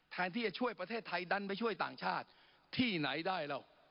แทนที่จะช่วยประเทศไทยดันไปช่วยต่างชาติที่ไหนได้แล้ว